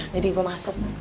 jadi gua masuk